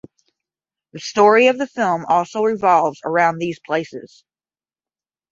The story of the film also revolves around these places.